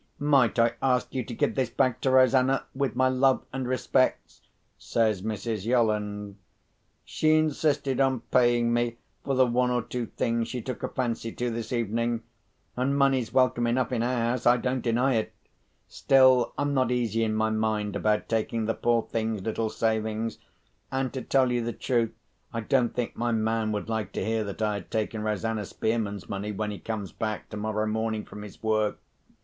"Might I ask you to give this back to Rosanna, with my love and respects?" says Mrs. Yolland. "She insisted on paying me for the one or two things she took a fancy to this evening—and money's welcome enough in our house, I don't deny it. Still, I'm not easy in my mind about taking the poor thing's little savings. And to tell you the truth, I don't think my man would like to hear that I had taken Rosanna Spearman's money, when he comes back tomorrow morning from his work.